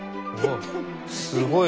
すごい。